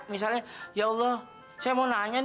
misalnya ya allah saya mau nanya nih